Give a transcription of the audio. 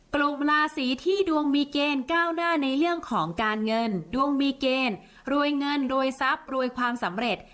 กลุ่มราศีที่ดวงมีเกณฑ์ก้าวหน้าในเรื่องของการเงินดวงมีเกณฑ์รวยเงินรวยทรัพย์รวยความสำเร็จ